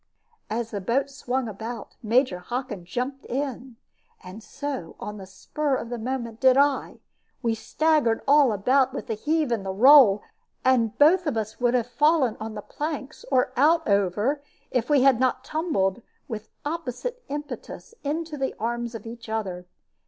As the boat swung about, Major Hockin jumped in, and so, on the spur of the moment, did I. We staggered all about with the heave and roll, and both would have fallen on the planks, or out over, if we had not tumbled, with opposite impetus, into the arms of each other.